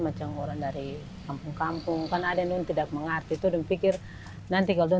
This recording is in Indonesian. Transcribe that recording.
macam orang dari kampung kampung kan ada yang tidak mengerti itu dan pikir nanti kalau udah